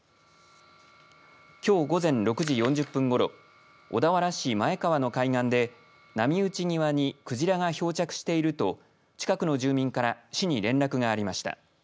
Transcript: きょう午前６時４０分ごろ小田原市前川の海岸で波打ち際にクジラが漂着していると近くの住民から市に連絡がありました。